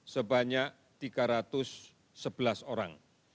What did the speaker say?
sebanyak tiga ratus sebelas orang